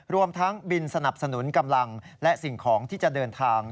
รวมทั้งบินสนับสนุนกำลังและสิ่งของที่จะเดินทาง